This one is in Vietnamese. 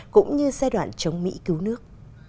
cũng như giai đoạn chống mỹ cứu nước